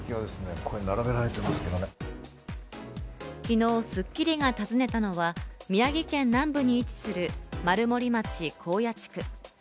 昨日、『スッキリ』が訪ねたのは、宮城県南部に位置する丸森町耕野地区。